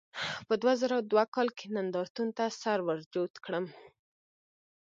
په دوه زره دوه کال کې نندارتون ته سر ورجوت کړم.